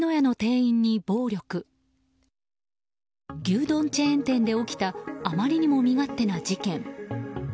牛丼チェーン店で起きたあまりにも身勝手な事件。